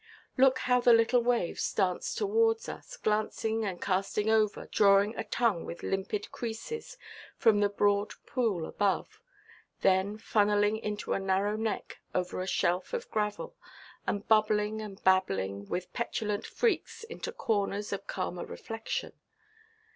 Look how the little waves dance towards us, glancing and casting over, drawing a tongue with limpid creases from the broad pool above, then funnelling into a narrow neck over a shelf of gravel, and bubbling and babbling with petulant freaks into corners of calmer reflection.